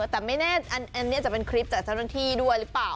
แต่ไม่แน่อันนี้อาจจะเป็นคลิปจากเจ้าหน้าที่ด้วยหรือเปล่า